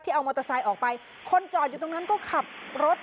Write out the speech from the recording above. เอามอเตอร์ไซค์ออกไปคนจอดอยู่ตรงนั้นก็ขับรถ